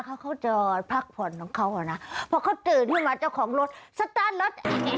เขาเขาจะพักผ่อนของเขาอ่ะนะพอเขาตื่นขึ้นมาเจ้าของรถสตาร์ทรถ